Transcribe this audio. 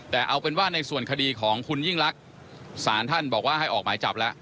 แต่เอาเป็นว่าในส่วนคดีของคุณยิ่งลักษณ์ศาลท่านบอกว่าให้ออกหมายจับแล้ว